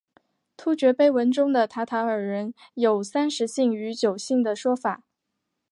突厥碑文中的塔塔尔人有三十姓与九姓的说法。